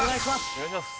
お願いします。